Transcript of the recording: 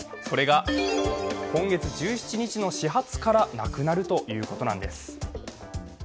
それが今月１７日の始発からなくなるということなんです。